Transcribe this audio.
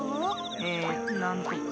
ええなんとか。